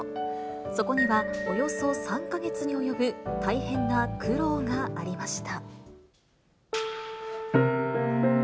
そこにはおよそ３か月に及ぶ大変な苦労がありました。